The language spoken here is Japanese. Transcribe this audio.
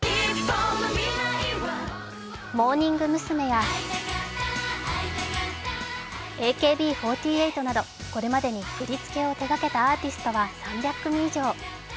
モーニング娘やＡＫＢ４８などこれまでに振り付けを手がけたアーティストは３００組以上。